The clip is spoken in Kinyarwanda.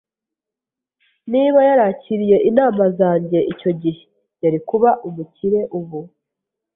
Niba yarakiriye inama zanjye icyo gihe, yari kuba umukire ubu.